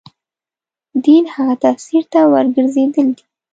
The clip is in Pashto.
دین هغه تفسیر ته ورګرځېدل دي.